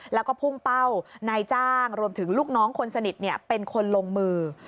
แล้วก็พุ่งเป้านายจ้างรวมถึงลูกน้องคนสนิทเป็นคนลงมือ